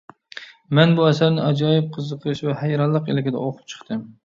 مەن بۇ ئەسەرنى ئاجايىپ قىزىقىش ۋە ھەيرانلىق ئىلكىدە ئوقۇپ چىقتىم.